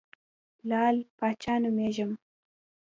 لعل پاچا نومېږم.